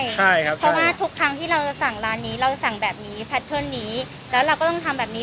ใช่ครับเพราะว่าทุกครั้งที่เราจะสั่งร้านนี้เราสั่งแบบนี้แพทเทิร์นนี้แล้วเราก็ต้องทำแบบนี้